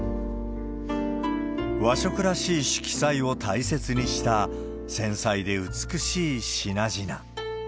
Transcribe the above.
和食らしい色彩を大切にした、繊細で美しい品々。